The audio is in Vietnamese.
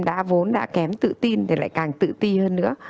đã vốn đã kém tự tin thì lại càng tự ti hơn nữa